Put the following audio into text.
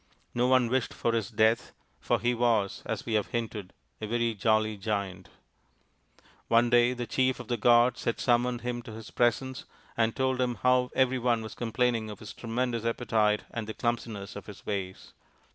No one wished for his death, for he was, as we have hinted, a very jolly Giant. One day the chief of the gods had summoned him to his presence and told him how every one was complaining of his tremendous appetite and the clumsiness of his ways.